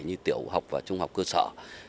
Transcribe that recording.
như tiểu học và trung học cơ sở